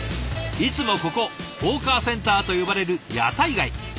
いつもここホーカーセンターと呼ばれる屋台街。